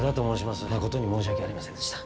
まことに申し訳ありませんでした。